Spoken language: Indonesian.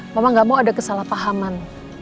mama gak mau ada kesalahpahaman